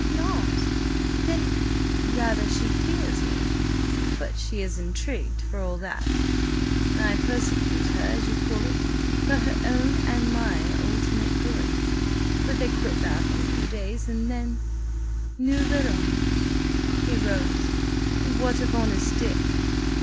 "Not! Then—" "Rather, she fears me. But she is intrigued, for all that. I persecute her, as you call it, for her own (and my) ultimate good. But they quit Bath in a few days, and then, nous verrons!" He rose. "What of Honest Dick?"